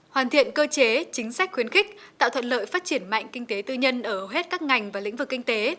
hoàn thiện cơ chế chính sách khuyến khích tạo thuận lợi phát triển mạnh kinh tế tư nhân ở hết các ngành và lĩnh vực kinh tế